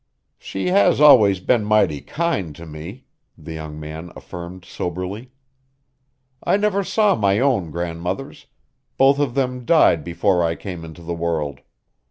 "She has always been mighty kind to me," the young man affirmed soberly. "I never saw my own grandmothers; both of them died before I came into the world.